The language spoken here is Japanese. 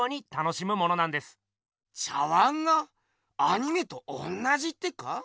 茶碗がアニメとおんなじってか？